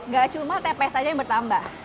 gak cuma tps saja yang bertambah